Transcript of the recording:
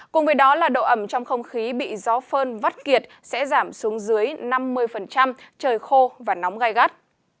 cùng với đó là độ ẩm trong không khí bị gió phơn vắt kiệt sẽ giảm xuống dưới năm mươi trời khô và nóng gai gắt